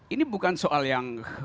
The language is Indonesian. ini bukan soal yang